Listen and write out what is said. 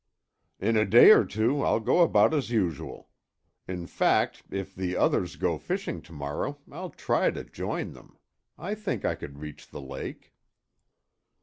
"In a day or two I'll go about as usual. In fact, if the others go fishing to morrow, I'll try to join them. I think I could reach the lake."